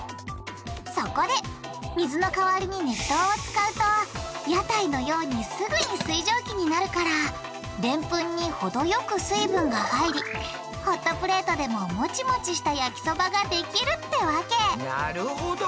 そこで水の代わりに熱湯を使うと屋台のようにすぐに水蒸気になるからデンプンに程よく水分が入りホットプレートでもモチモチした焼きそばができるってわけなるほど！